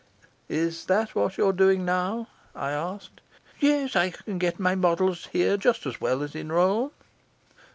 "Is that what you're doing now?" I asked. "Yes. I can get my models here just as well as in Rome."